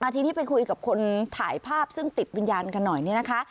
ทีนี้ไปคุยกับคนถ่ายภาพซึ่งติดวิญญาณกันหน่อยเนี่ยนะคะ